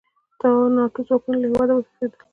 ناټو ځواکونه له هېواده وتښتېدل.